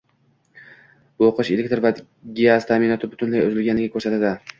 Bu qish elektr va gaz ta'minoti butunlay uzilganini ko'rsatadi